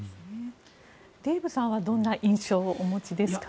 デーブさんはどんな印象をお持ちですか。